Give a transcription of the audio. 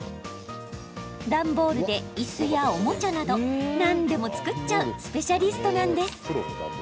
段ボールでいすや、おもちゃなど何でも作っちゃうスペシャリストなんです。